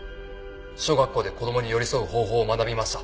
小学校で子供に寄り添う方法を学びました。